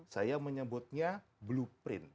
saya menyebutnya blueprint